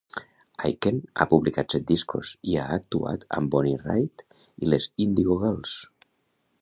Aiken ha publicat set discos i ha actuat amb Bonnie Raitt i les Indigo Girls.